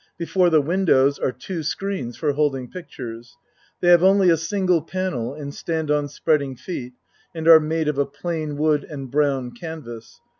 Before the windows are two screens for holding pictures. They have only a single panel and stand on spreading feet, and are made of a plainwood and brown canvas.